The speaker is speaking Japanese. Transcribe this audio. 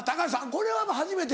これは初めて？